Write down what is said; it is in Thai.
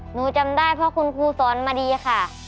หนูจำได้เพราะคุณครูสอนมาดีค่ะ